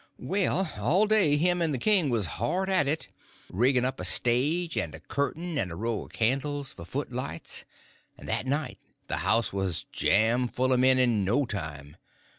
Well, all day him and the king was hard at it, rigging up a stage and a curtain and a row of candles for footlights; and that night the house was jam full of men in no time.